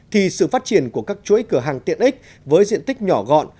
thì sự phát triển của các chuỗi cửa hàng tiện ích với diện tích nhỏ gọn